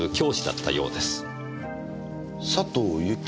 佐藤由紀